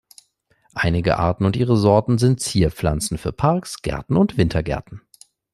Einige Arten und ihre Sorten sind Zierpflanzen für Parks, Gärten und Wintergärten.